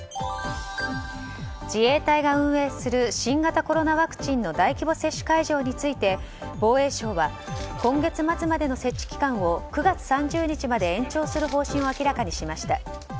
自衛隊が運営する新型コロナワクチンの大規模接種会場について防衛省は今月末までの設置期間を９月３０日まで延長する方針を明らかにしました。